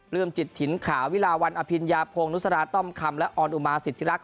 ืมจิตถิ่นขาวิลาวันอภิญญาพงศ์นุสราต้อมคำและออนอุมาสิทธิรักษ